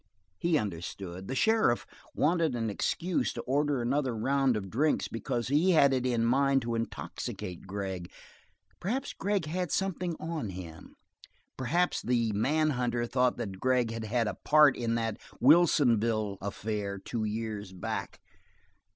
He understood. The sheriff wanted an excuse to order another round of drinks because he had it in mind to intoxicate Gregg; perhaps Glass had something on him; perhaps the manhunter thought that Vic had had a part in that Wilsonville affair two years back.